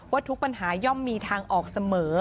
ทุกปัญหาย่อมมีทางออกเสมอ